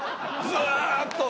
ずーっと。